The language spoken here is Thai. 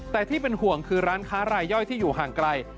แต่ที่เป็นห่วงคือร้านค้ารายย่อยที่อยู่ห่างไกล